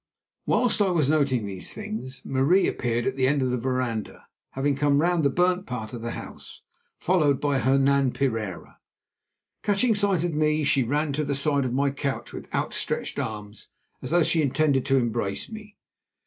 Whilst I was noting these things Marie appeared at the end of the veranda, having come round the burnt part of the house, followed by Hernan Pereira. Catching sight of me, she ran to the side of my couch with outstretched arms as though she intended to embrace me.